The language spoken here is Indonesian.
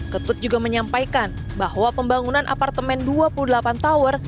ketut juga menyampaikan bahwa pembangunan apartemen dua puluh delapan tower